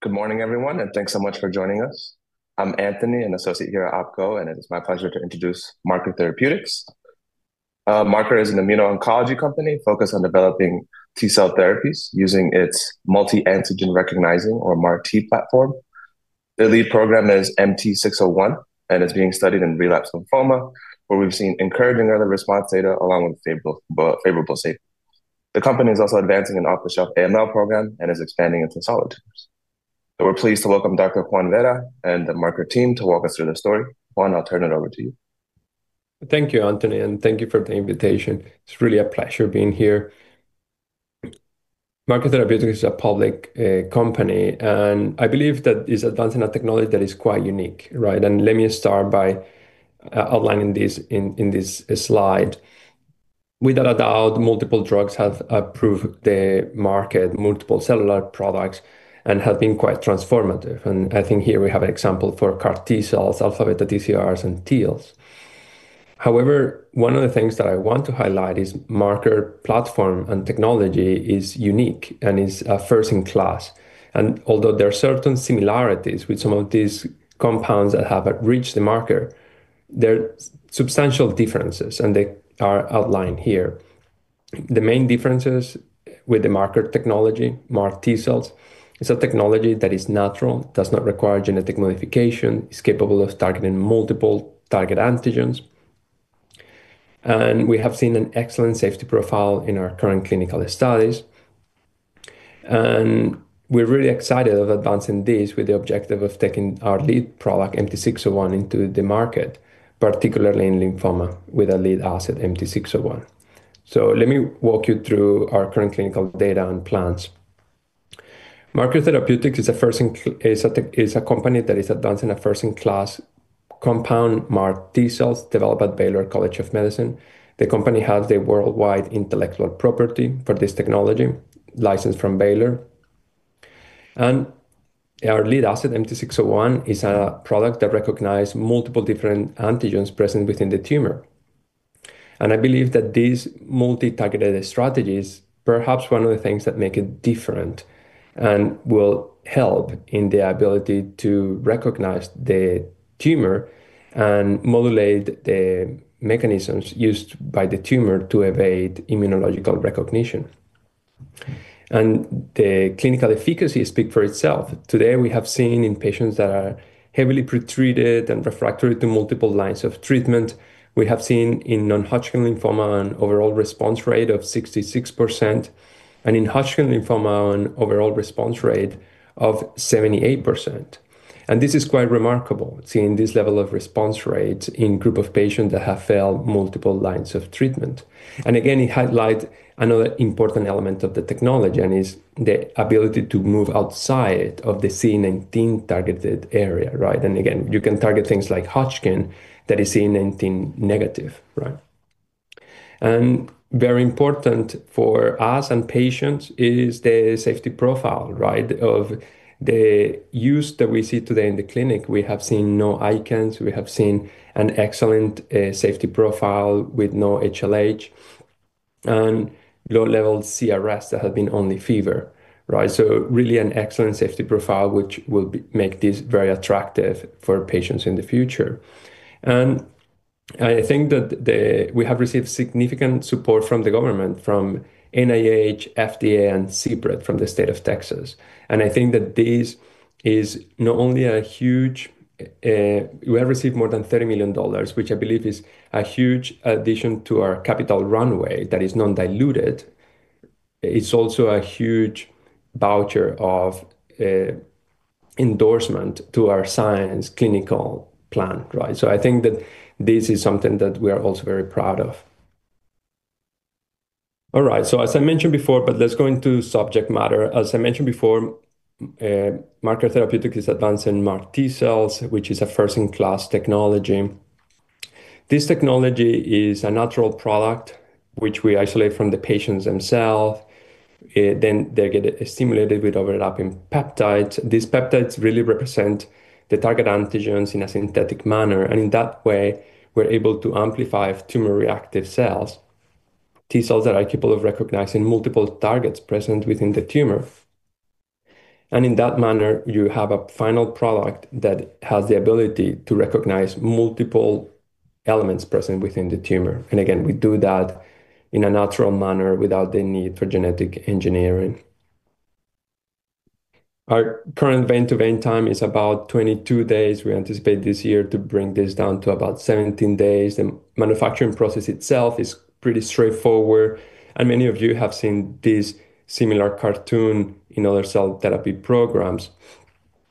Good morning, everyone, and thanks so much for joining us. I'm Anthony, an associate here at Oppenheimer, and it is my pleasure to introduce Marker Therapeutics. Marker is an immuno-oncology company focused on developing T-cell therapies using its multi-antigen recognizing or MAR-T platform. The lead program is MT-601, and it's being studied in relapse lymphoma, where we've seen encouraging early response data along with favorable safety. The company is also advancing an off-the-shelf AML program and is expanding into solid tumors. We're pleased to welcome Dr. Juan Vera and the Marker team to walk us through the story. Juan, I'll turn it over to you. Thank you, Anthony. Thank you for the invitation. It's really a pleasure being here. Marker Therapeutics is a public company, and I believe that it's advancing a technology that is quite unique, right? Let me start by outlining this in this slide. Without a doubt, multiple drugs have approved the market, multiple cellular products, and have been quite transformative. I think here we have an example for CAR T cells, alpha, beta TCRs, and TILs. However, one of the things that I want to highlight is Marker platform and technology is unique and is first in class. Although there are certain similarities with some of these compounds that have reached the marker, there are substantial differences, and they are outlined here. The main differences with the Marker technology, MAR-T cells, it's a technology that is natural, does not require genetic modification, is capable of targeting multiple target antigens. We have seen an excellent safety profile in our current clinical studies. We're really excited of advancing this with the objective of taking our lead product, MT-601, into the market, particularly in lymphoma, with our lead asset, MT-601. Let me walk you through our current clinical data and plans. Marker Therapeutics is a company that is advancing a first-in-class compound, MAR-T cells, developed at Baylor College of Medicine. The company has the worldwide intellectual property for this technology licensed from Baylor. Our lead asset, MT-601, is a product that recognize multiple different antigens present within the tumor. I believe that these multi-targeted strategies, perhaps one of the things that make it different and will help in the ability to recognize the tumor and modulate the mechanisms used by the tumor to evade immunological recognition. The clinical efficacy speak for itself. Today, we have seen in patients that are heavily pretreated and refractory to multiple lines of treatment, we have seen in non-Hodgkin lymphoma an overall response rate of 66%, and in Hodgkin lymphoma, an overall response rate of 78%. This is quite remarkable, seeing this level of response rate in group of patients that have failed multiple lines of treatment. Again, it highlights another important element of the technology, and is the ability to move outside of the CD19 targeted area, right? Again, you can target things like Hodgkin that is CD19 negative, right? Very important for us and patients is the safety profile, right? Of the use that we see today in the clinic, we have seen no ICANS. We have seen an excellent safety profile with no HLH and low-level CRS that have been only fever, right? Really an excellent safety profile, which will make this very attractive for patients in the future. I think that we have received significant support from the government, from NIH, FDA, and CPRIT, from the state of Texas, and I think that this is not only a huge, but we have also received more than $30 million, which I believe is a huge addition to our capital runway that is non-diluted. It's also a huge voucher of endorsement to our science clinical plan, right? I think that this is something that we are also very proud of. As I mentioned before, let's go into subject matter. As I mentioned before, Marker Therapeutics is advancing MAR-T cells, which is a first-in-class technology. This technology is a natural product which we isolate from the patients themselves. They get stimulated with overlapping peptides. These peptides really represent the target antigens in a synthetic manner, and in that way, we're able to amplify tumor-reactive cells, T cells that are capable of recognizing multiple targets present within the tumor. In that manner, you have a final product that has the ability to recognize multiple elements present within the tumor. Again, we do that in a natural manner without the need for genetic engineering. Our current vein to vein time is about 22 days. We anticipate this year to bring this down to about 17 days. The manufacturing process itself is pretty straightforward, and many of you have seen this similar cartoon in other cell therapy programs.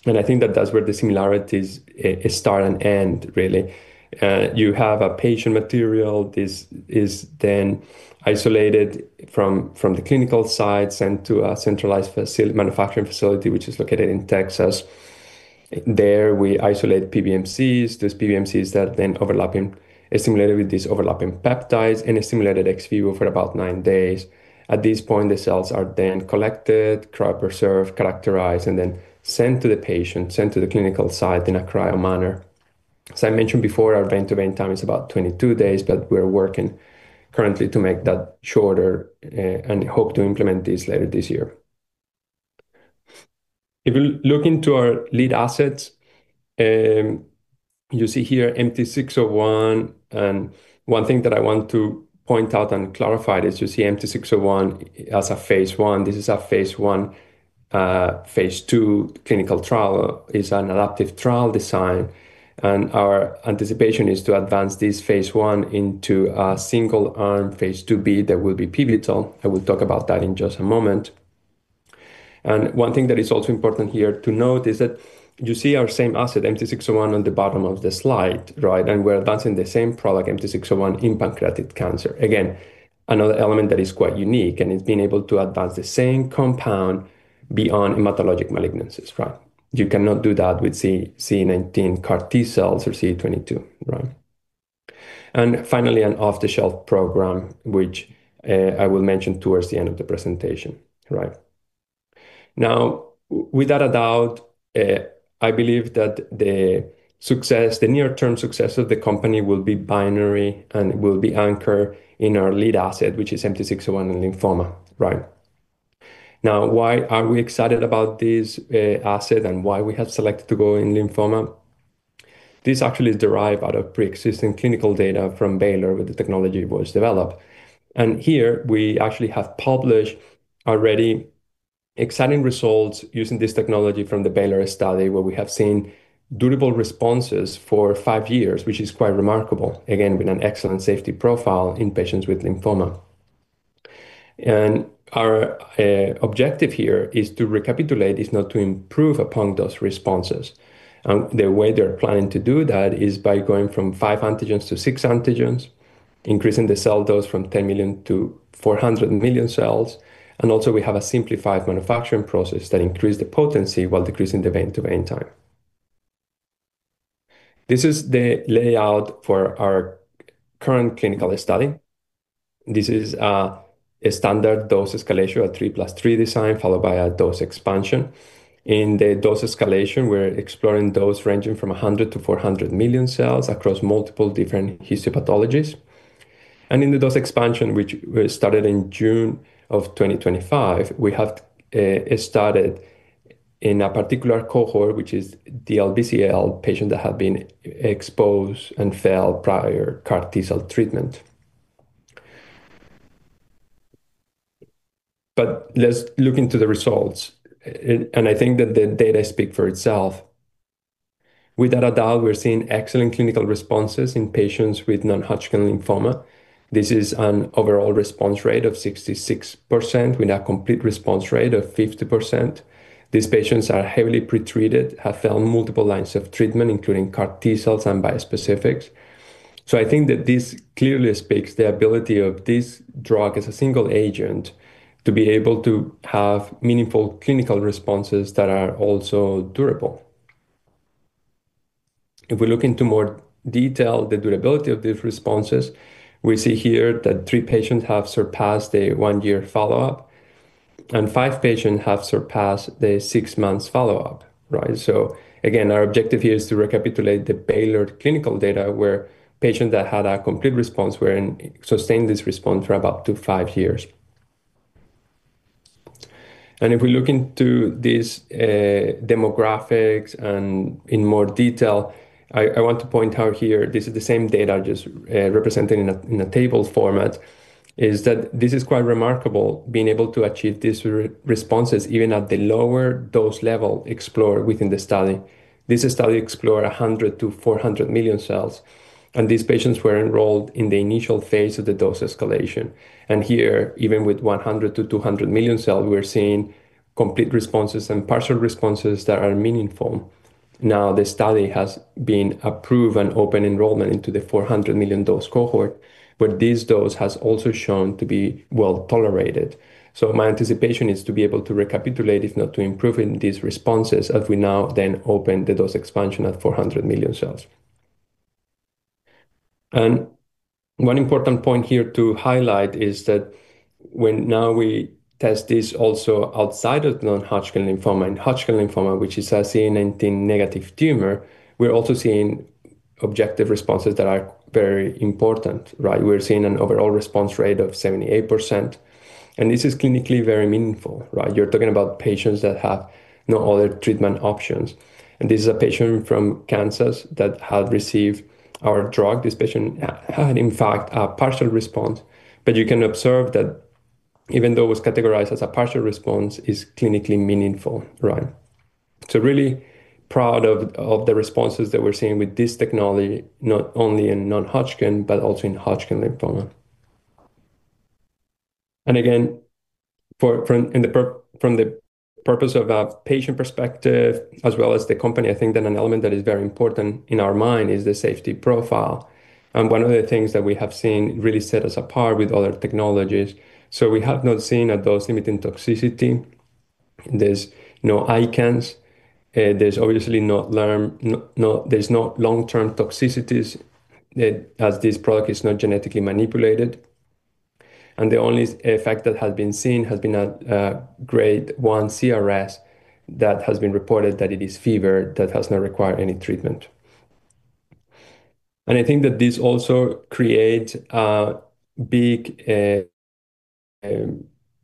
I think that that's where the similarities start and end really. You have a patient material. This is then isolated from the clinical site, sent to a centralized manufacturing facility, which is located in Texas. There, we isolate PBMCs. These PBMCs that then is simulated with these overlapping peptides in a simulated ex vivo for about nine days. At this point, the cells are then collected, cryopreserved, characterized, and then sent to the patient, sent to the clinical site in a cryo manner. As I mentioned before, our vein-to-vein time is about 22 days, but we're working currently to make that shorter, and hope to implement this later this year. If we look into our lead assets, you see here MT-601. One thing that I want to point out and clarify is you see MT-601 as a Phase 1. This is a Phase 1, Phase 2 clinical trial. It's an adaptive trial design. Our anticipation is to advance this Phase 1 into a single-arm Phase 2b that will be pivotal. We'll talk about that in just a moment. One thing that is also important here to note is that you see our same asset, MT-601, on the bottom of the slide, right? We're advancing the same product, MT-601, in pancreatic cancer. Again, another element that is quite unique, and it's being able to advance the same compound beyond hematologic malignancies, right? You cannot do that with CD19 CAR T cells or CD22, right? Finally, an off-the-shelf program, which I will mention towards the end of the presentation, right? Now, without a doubt, I believe that the success, the near-term success of the company will be binary and will be anchored in our lead asset, which is MT-601 in lymphoma, right? Now, why are we excited about this asset, and why we have selected to go in lymphoma? This actually is derived out of pre-existing clinical data from Baylor, where the technology was developed. Here we actually have published already exciting results using this technology from the Baylor study, where we have seen durable responses for 5 years, which is quite remarkable, again, with an excellent safety profile in patients with lymphoma. Our objective here is to recapitulate, is not to improve upon those responses. The way they're planning to do that is by going from 5 antigens to 6 antigens, increasing the cell dose from 10 million to 400 million cells, and also, we have a simplified manufacturing process that increase the potency while decreasing the vein-to-vein time. This is the layout for our current clinical study. This is a standard dose escalation, a 3+3 designs, followed by a dose expansion. In the dose escalation, we're exploring dose ranging from 100 to 400 million cells across multiple different histopathologies. In the dose expansion, which we started in June of 2025, we have started in a particular cohort, which is DLBCL, patients that have been exposed and failed prior CAR T-cell treatment. Let's look into the results, and I think that the data speak for itself. Without a doubt, we're seeing excellent clinical responses in patients with non-Hodgkin lymphoma. This is an overall response rate of 66%, with a complete response rate of 50%. These patients are heavily pretreated, have failed multiple lines of treatment, including CAR T cells and bispecifics. I think that this clearly speaks to the ability of this drug as a single agent to be able to have meaningful clinical responses that are also durable. If we look into more detail, the durability of these responses, we see here that 3 patients have surpassed a 1-year follow-up, and 5 patients have surpassed the 6-months follow-up, right? Again, our objective here is to recapitulate the Baylor clinical data, where patients that had a complete response sustained this response for up to 5 years. If we look into these demographics and in more detail, I want to point out here, this is the same data just represented in a table format, is that this is quite remarkable, being able to achieve these responses even at the lower dose level explored within the study. This study explored 100 to 400 million cells, and these patients were enrolled in the initial phase of the dose escalation. Here, even with 100 to 200 million cells, we're seeing complete responses and partial responses that are meaningful. Now, the study has been approved and open enrollment into the 400 million dose cohort, but this dose has also shown to be well tolerated. My anticipation is to be able to recapitulate, if not to improve in these responses, as we now then open the dose expansion of 400 million cells. One important point here to highlight is that when now we test this also outside of non-Hodgkin lymphoma, in Hodgkin lymphoma, which is a CD19 negative tumor, we're also seeing objective responses that are very important, right? We're seeing an overall response rate of 78%, and this is clinically very meaningful, right? You're talking about patients that have no other treatment options. This is a patient from Kansas that had received our drug. This patient had, in fact, a partial response. You can observe that even though it was categorized as a partial response, it's clinically meaningful, right? Really proud of the responses that we're seeing with this technology, not only in non-Hodgkin, but also in Hodgkin lymphoma. Again, from the purpose of a patient perspective, as well as the company, I think that an element that is very important in our mind is the safety profile, and one of the things that we have seen really set us apart with other technologies. We have not seen a dose-limiting toxicity. There's no ICANS, there's obviously not LARM, there's no long-term toxicities, as this product is not genetically manipulated. The only effect that has been seen has been a grade 1 CRS that has been reported, that it is fever that has not required any treatment. I think that this also create a big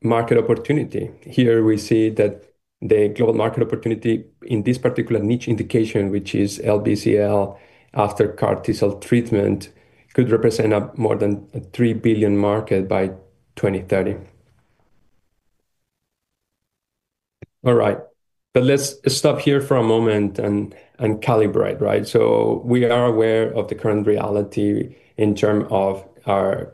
market opportunity. Here we see that the global market opportunity in this particular niche indication, which is LBCL after CAR T-cell treatment, could represent a more than a $3 billion market by 2030. All right, let's stop here for a moment and calibrate, right? We are aware of the current reality in term of our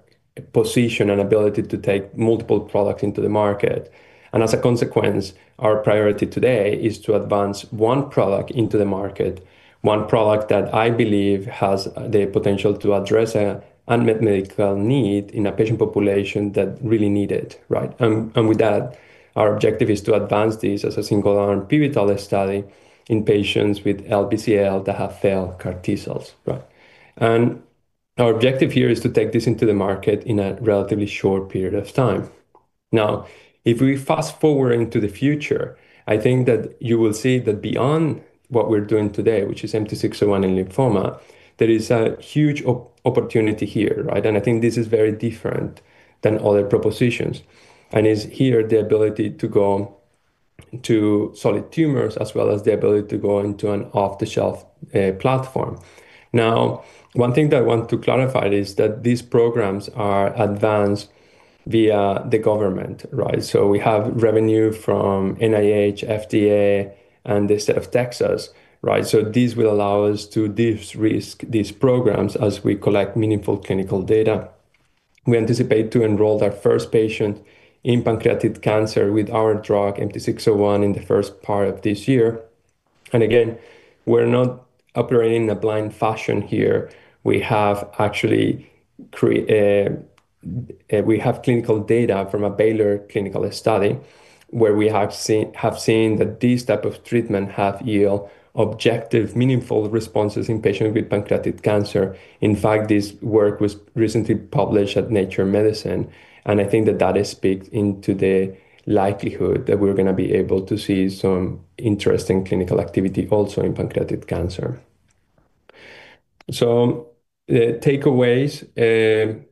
position and ability to take multiple products into the market. As a consequence, our priority today is to advance one product into the market, one product that I believe has the potential to address a unmet medical need in a patient population that really need it, right? With that, our objective is to advance this as a single-arm pivotal study in patients with LBCL that have failed CAR T-cells, right. Our objective here is to take this into the market in a relatively short period of time. If we fast forward into the future, I think that you will see that beyond what we're doing today, which is MT-601 in lymphoma, there is a huge opportunity here, right? I think this is very different than other propositions and is here the ability to go to solid tumors as well as the ability to go into an off-the-shelf platform. One thing that I want to clarify is that these programs are advanced via the government, right? We have revenue from NIH, FDA, and the State of Texas, right? This will allow us to de-risk these programs as we collect meaningful clinical data. We anticipate to enroll our first patient in pancreatic cancer with our drug, MT-601, in the first part of this year. Again, we're not operating in a blind fashion here. We have clinical data from a Baylor clinical study, where we have seen that these types of treatments have yield objective, meaningful responses in patients with pancreatic cancer. In fact, this work was recently published at Nature Medicine. I think that that speaks into the likelihood that we're going to be able to see some interesting clinical activity also in pancreatic cancer. Takeaways,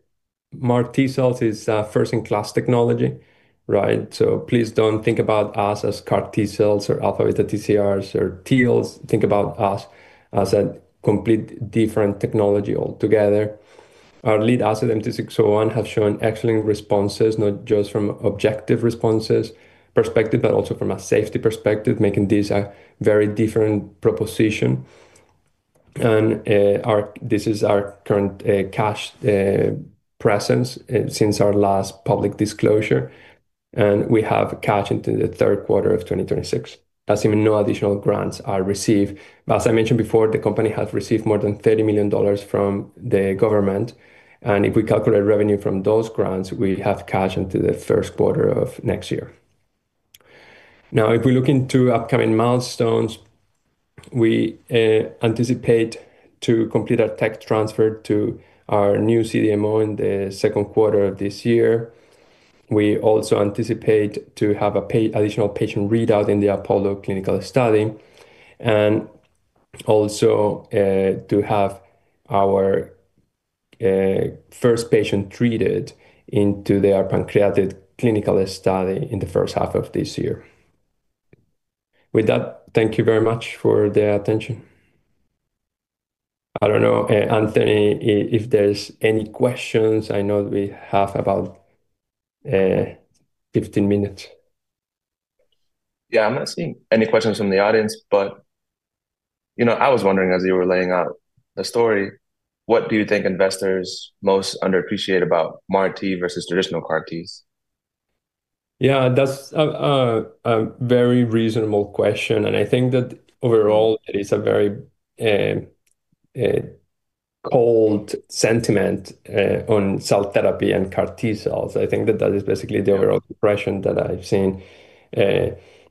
MAR-T cells is a first-in-class technology, right? Please don't think about us as CAR T cells or alpha TCRs or TILs. Think about us as a complete different technology altogether. Our lead asset, MT-601, have shown excellent responses, not just from objective responses perspective, but also from a safety perspective, making this a very different proposition. This is our current cash presence since our last public disclosure, and we have cash into the third quarter of 2026, assuming no additional grants are received. As I mentioned before, the company has received more than $30 million from the government, and if we calculate revenue from those grants, we have cash into the first quarter of next year. If we look into upcoming milestones, we anticipate to complete our tech transfer to our new CDMO in the second quarter of this year. We also anticipate to have additional patient readout in the APOLLO clinical study, and also, to have our first patient treated into their pancreatic clinical study in the first half of this year. With that, thank you very much for the attention. I don't know, Anthony, if there's any questions, I know we have about 15 minutes. Yeah, I'm not seeing any questions from the audience, but, you know, I was wondering, as you were laying out the story, what do you think investors most underappreciate about MAR-T versus traditional CAR Ts? Yeah, that's a very reasonable question. I think that overall, it is a very cold sentiment on cell therapy and CAR T cells. I think that that is basically the overall impression that I've seen.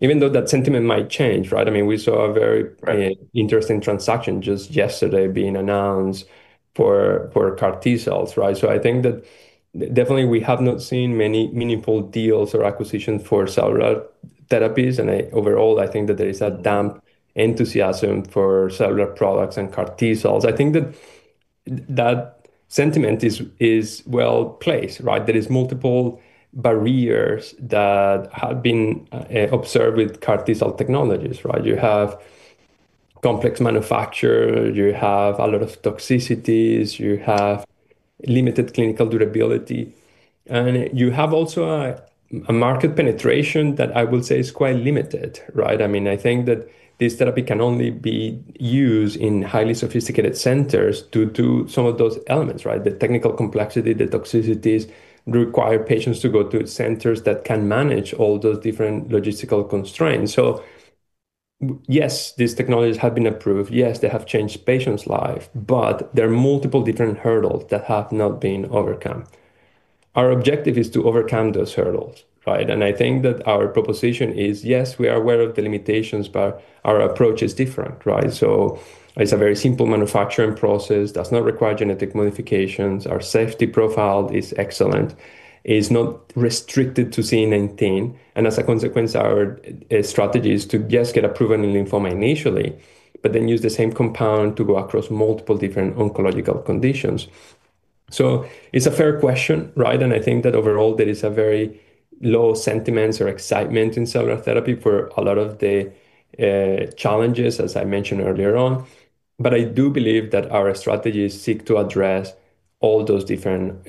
Even though that sentiment might change, right? I mean, we saw a very interesting transaction just yesterday being announced for CAR T cells, right? I think that definitely we have not seen many meaningful deals or acquisitions for cellular therapies. Overall, I think that there is a damp enthusiasm for cellular products and CAR T cells. I think that sentiment is well placed, right? There is multiple barriers that have been observed with CAR T cell technologies, right? You have complex manufacture, you have a lot of toxicities, you have limited clinical durability, and you have also a market penetration that I would say is quite limited, right? I mean, I think that this therapy can only be used in highly sophisticated centers due to some of those elements, right? The technical complexity, the toxicities, require patients to go to centers that can manage all those different logistical constraints. Yes, these technologies have been approved, yes, they have changed patients' life, but there are multiple different hurdles that have not been overcome. Our objective is to overcome those hurdles, right? I think that our proposition is, yes, we are aware of the limitations, but our approach is different, right? It's a very simple manufacturing process, does not require genetic modifications, our safety profile is excellent, it's not restricted to CD19, and as a consequence, our strategy is to just get approved in lymphoma initially, but then use the same compound to go across multiple different oncological conditions. It's a fair question, right? I think that overall, there is a very low sentiments or excitement in cellular therapy for a lot of the challenges, as I mentioned earlier on. I do believe that our strategies seek to address all those different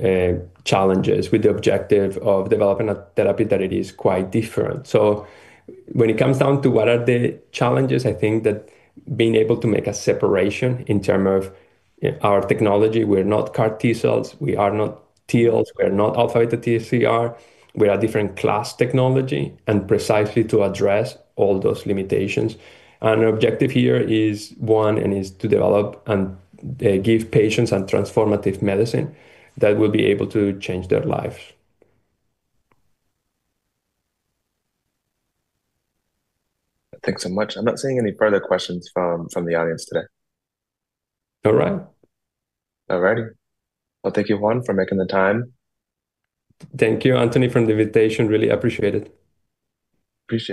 challenges with the objective of developing a therapy that it is quite different. When it comes down to what are the challenges, I think that being able to make a separation in term of our technology. We're not CAR T cells, we are not TILs, we are not alpha TCR, we are a different class technology, and precisely to address all those limitations. Our objective here is, one, and is to develop and give patients a transformative medicine that will be able to change their lives. Thanks so much. I'm not seeing any further questions from the audience today. All right. All righty. Well, thank you, Juan, for making the time. Thank you, Anthony, for the invitation. Really appreciate it.